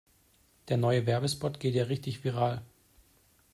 Der neue Werbespot geht ja richtig viral.